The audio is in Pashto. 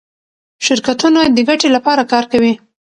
شرکتونه د ګټې لپاره کار کوي.